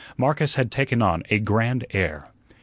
Marcus had taken on a grand air.